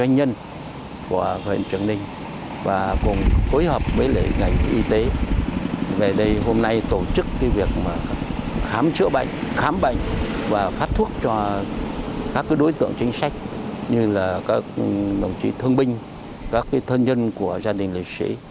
như là các đồng chí thương binh các thân nhân của gia đình lịch sĩ